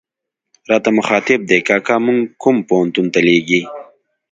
راته مخاطب دي، کاکا موږ کوم پوهنتون ته لېږې.